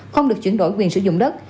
không được chuyển đổi quyền sử dụng đất